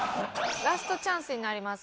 ラストチャンスになります